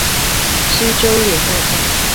溪州連絡道